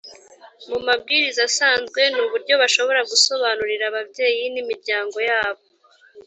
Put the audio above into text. mu mabwiriza asanzwe ni uburyo bashobora gusobanurira ababyeyi n’imiryango yabo